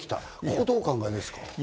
ここをどうお考えですか？